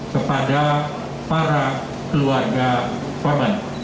kepada para keluarga korban